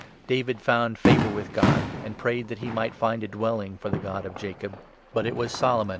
David 46 found favour with God, and prayed that he might find a dwelling for the God of Jacob. But it was Solomon who 47 *!